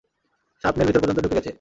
Shrapnel ভিতর পর্যন্ত ঢুকে গেছে।